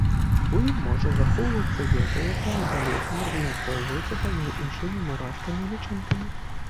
У ім можа захоўвацца ежа, якая ў далейшым размяркоўваецца паміж іншымі мурашкамі і лічынкамі.